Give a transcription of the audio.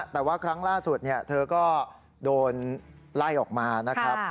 แต่ว่าครั้งล่าสุดเธอก็โดนไล่ออกมานะครับ